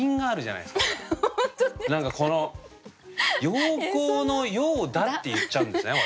「陽光のようだ」って言っちゃうんですね